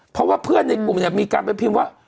เพราะว่าเพื่อนในกลุ่มเนี่ยมีการไปพิมพ์ว่า